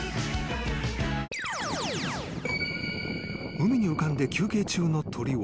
［海に浮かんで休憩中の鳥を］